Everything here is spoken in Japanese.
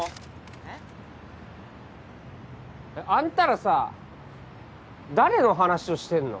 えっ？あんたらさ誰の話をしてんの？